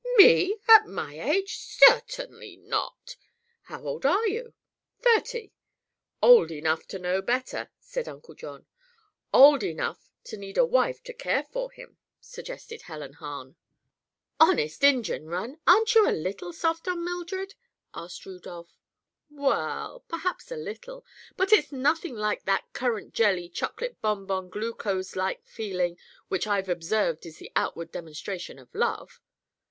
"Me? At my age? Cer tain ly not!" "How old are you?" "Thirty." "Old enough to know better," said Uncle John. "Old enough to need a wife to care for him," suggested Helen Hahn. "Honest Injun, Run; aren't you a little soft on Mildred?" asked Rudolph. "Well, perhaps a little; but it's nothing like that currant jelly, chocolate bonbon, glucose like feeling which I've observed is the outward demonstration of love."